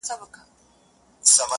عاقبت یې په کوهي کي سر خوړلی-